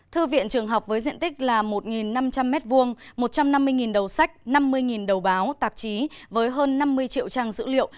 thư viện trường học với diện tích là một năm trăm linh m hai một trăm năm mươi đầu sách năm mươi đầu báo tạp chí với hơn năm mươi triệu trang dữ liệu